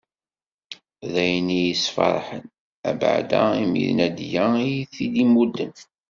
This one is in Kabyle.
D ayen i yi-yesferḥen, abeɛda imi d Nadiya i yi-t-id-imudden.